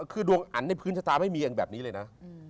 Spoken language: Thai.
คือดวงอันในพื้นชะตาไม่มีเองแบบนี้เลยนะ